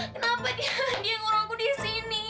kenapa dia ngurang ngurang disini